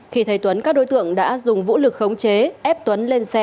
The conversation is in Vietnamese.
khi thấy tuấn các đối tượng đã dùng vũ lực khống chế ép tuấn lên xe